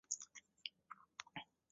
佛的真意并不再说三乘妙法。